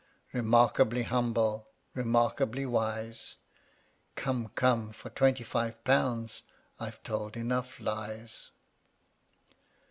Remarkably humble, remarkably wise ;— Come, come ! for twenty five pound, *IVe told enough lies